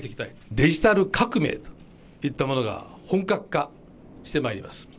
デジタル革命といったものが本格化してまいります。